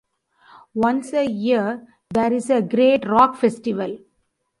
Once a year there is a great Rock festival.